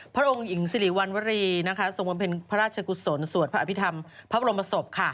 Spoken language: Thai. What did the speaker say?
พระองค์หญิงสิริวัณวรีทรงบำเพ็ญพระราชกุศลสวดพระอภิษฐรรมพระบรมศพ